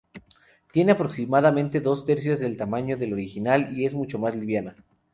Tiene aproximadamente dos tercios del tamaño del original y es mucho más liviana.